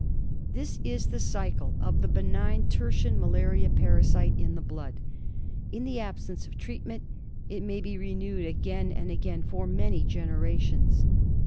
This is the jcycle of the benign tertian malaria parasite in the blood. In the absence of treatment it may be renewed again and again and for many generations.